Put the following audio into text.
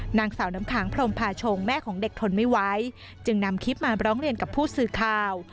นางสาวน้ำขังพรมพาชงแม่ของเด็กทนไม่ไหวจึงนำคลิปมาร้องเรียนกับผู้สื่อข่าว